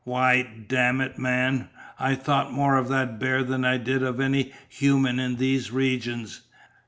Why, damn it, man, I thought more of that bear than I did of any human in these regions!